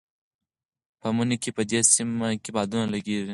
په مني کې په دې سیمه کې بادونه لګېږي.